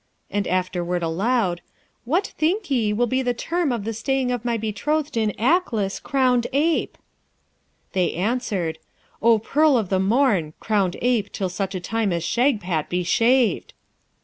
and afterward aloud, 'What think ye will be the term of the staying of my betrothed in Aklis, crowned ape?' They answered, 'O pearl of the morn, crowned ape till such time as Shagpat be shaved.'